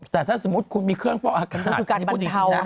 แต่ถ้าสมมติคุณมีเครื่องฟอกอากาศ